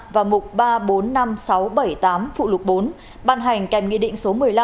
và mục ba bốn năm sáu bảy tám phụ lục bốn bàn hành kèm nghị định số một mươi năm